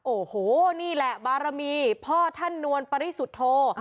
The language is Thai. โอ้โหนี่แหละบารมีพ่อท่านนวลปริสุทธโธ